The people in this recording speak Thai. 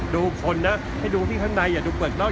ดูคนนะให้ดูที่ข้างในอย่าดูเปลือกนอก